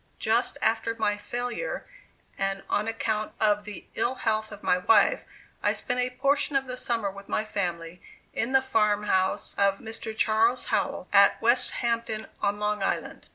Just after my failure, and on account of the ill health of my wife, I spent a portion of the summer with my family in the farmhouse of Mr. Charles Howell, at Westhampton, on Long Island.